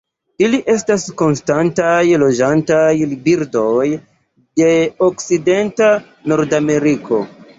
Ili estas konstantaj loĝantaj birdoj de okcidenta Nordameriko.